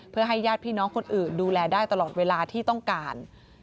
เพื่อให้ญาติพี่น้องคนอื่นดูแลได้ตลอดเวลาที่ต้องการ